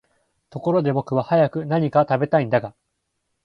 ところで僕は早く何か喰べたいんだが、